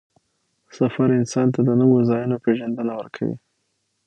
سفر انسان ته د نوو ځایونو پېژندنه ورکوي